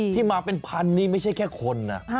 ที่มาเป็นพันนี่ไม่ใช่แค่คนนะ